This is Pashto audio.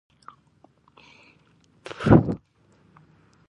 آیا د یورانیم تولید کې مخکښ نه دی؟